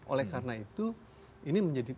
oleh karena itu ini menjadi